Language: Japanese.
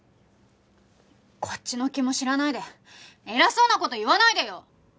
こっちの気も知らないで偉そうな事言わないでよ！